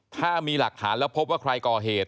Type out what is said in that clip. ถ้ามีหลักฐานแล้วพบว่าใครก่อเหตุ